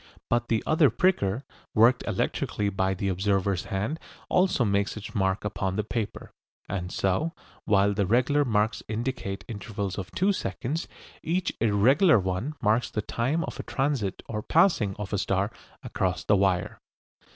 But the other pricker, worked electrically by the observer's hand, also makes its mark upon the paper, and so, while the regular marks indicate intervals of two seconds, each irregular one marks the time of a transit or passing of a star across the wire.